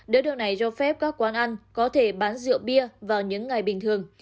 để được này do phép các quán ăn có thể bán rượu bia vào những ngày bình thường